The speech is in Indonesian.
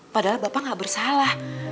padahal bapak nggak bersalah